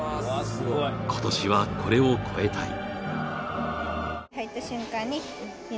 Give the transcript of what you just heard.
今年は、これを超えたい。